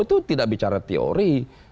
itu tidak bicara teori